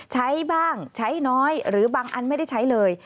ใช้บ้างใช้น้อยหรือบางอันไม่ได้ใช้เลย